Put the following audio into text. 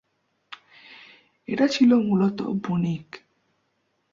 এরা ছিল মূলত বণিক।